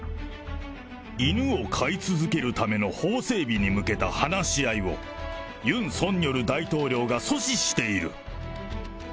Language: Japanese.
犬を飼い続けるための法整備に向けた話し合いを、ユン・ソンニョル大統領が阻止している。